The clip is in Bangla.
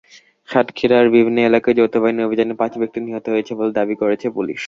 সাতক্ষীরার বিভিন্ন এলাকায় যৌথবাহিনীর অভিযানে পাঁচ ব্যক্তি নিহত হয়েছে বলে দাবি করেছে পুলিশ।